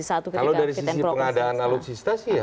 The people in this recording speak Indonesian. kalau dari sisi pengadaan alutsista sih ya